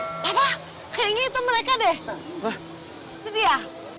ini cocok kering itu mereka deh ya